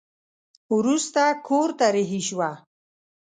وروسته کور ته رهي شوه.